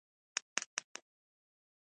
مرستې په دې برخه کې ډېر لږ کار کولای شي.